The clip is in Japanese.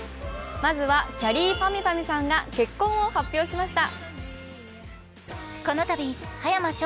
まずはきゃりーぱみゅぱみゅさんが結婚を発表しました。